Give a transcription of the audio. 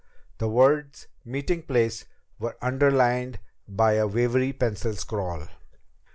The words "meeting place" were underlined by a wavery pencil scrawl!